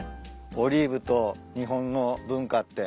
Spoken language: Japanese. オリーブと日本の文化って。